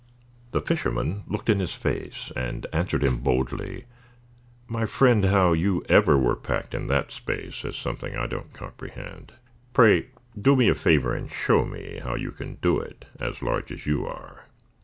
The fisherman looked in his face, And answered him boldly: "My friend, How you ever were packed in that space Is something I don't comprehend. Pray do me the favor to show me how you Can do it, as large as you are."